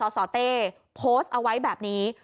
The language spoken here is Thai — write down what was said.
สสเต้โพสต์เอาไว้แบบนี้